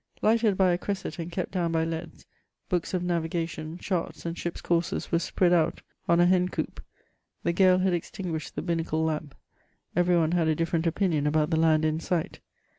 Lighted hj a cresset and kept down hy leads, hooks of na?ig^« tion, charts, and ships' courses were spread out on. a hen coop. The gale had ^Etisguished the hinacle lamp. Everj one had a different opinion ahout the land^in sigkt.